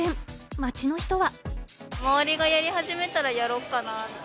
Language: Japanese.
街の人は。